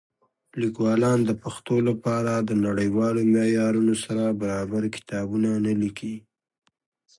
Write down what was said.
لیکوالان د پښتو لپاره د نړیوالو معیارونو سره برابر کتابونه نه لیکي.